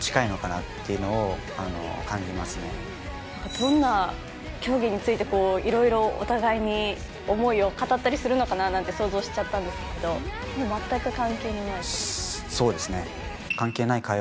どんな競技についていろいろお互いに思いを語ったりするのかなと思ったんですけど、全く関係ないことも？